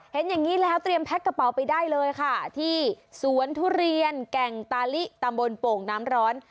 เห็นอย่างนี้แล้วเตรียมแพ็คกระเป๋าไปได้เลยค่ะที่สวนทุเรียนแก่งตาลิตำบลโป่งน้ำร้อน